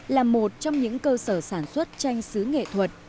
là một trong những cơ sở sản xuất chanh xứ nghệ thuật